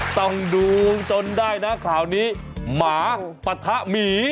ต้องดูจนได้นะข่าวนี้หมาปะทะหมี